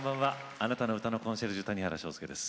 あなたの歌のコンシェルジュ谷原章介です。